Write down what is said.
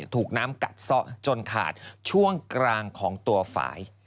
ถูกน้ำกัดซะจนขาดช่วงกลางของตัวฝ่าย